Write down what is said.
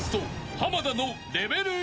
濱田のレベル１］